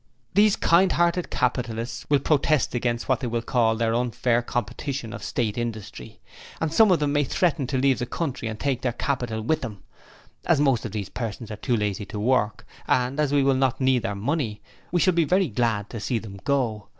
'These kind hearted capitalists will protest against what they will call the unfair competition of State industry, and some of them may threaten to leave the country and take their capital with them... As most of these persons are too lazy to work, and as we will not need their money, we shall be very glad to see them go.